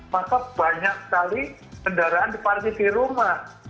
maka banyak sekali kendaraan diparkir di rumah